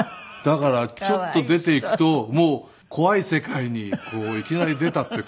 だからちょっと出て行くともう怖い世界にいきなり出たっていう感じなので